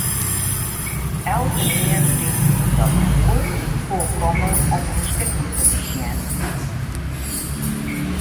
Elkenien dy't dat woe, koe komme om de skippen te besjen.